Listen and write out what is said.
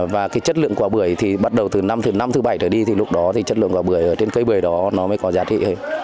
và cái chất lượng của bưởi thì bắt đầu từ năm thứ năm thứ bảy rồi đi thì lúc đó thì chất lượng của bưởi ở trên cây bưởi đó nó mới có giá trị